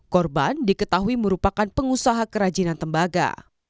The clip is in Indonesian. korban diketahui merupakan pengusaha kerajinan tembaga